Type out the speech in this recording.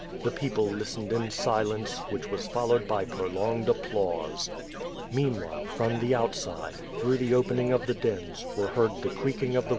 The people listened in silence, which was followed by prolonged applause. Meanwhile, from the outside, through the opening of the dens, were heard the creaking of the.